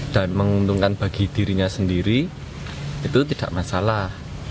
dan menguntungkan bagi dirinya sendiri itu tidak masalah